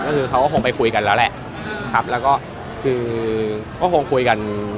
ก็คือเขาก็คงไปคุยกันแล้วแหละครับแล้วก็คือก็คงคุยกัน